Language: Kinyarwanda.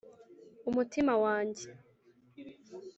umutima wanjye